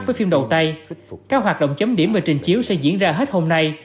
với phim đầu tay các hoạt động chấm điểm và trình chiếu sẽ diễn ra hết hôm nay